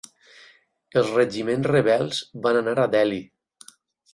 Els regiments rebels van anar a Delhi.